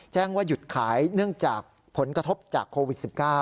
แจ้งว่าหยุดขายเนื่องจากผลกระทบจากโควิด๑๙